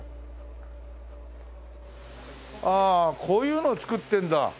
ああこういうのを作ってるんだ。